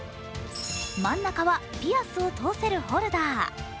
真ん中はピアスを通せるホルダー。